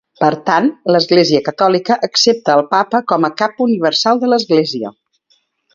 Per tant, l'Església Catòlica accepta el Papa com a cap universal de l'Església.